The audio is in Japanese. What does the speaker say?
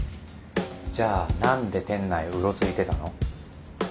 じゃあ何で店内をうろついてたの？